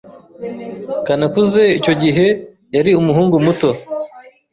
kanakuze icyo gihe yari umuhungu muto.